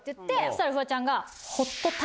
そしたらフワちゃんが。